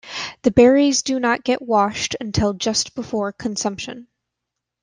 The berries do not get washed until just before consumption.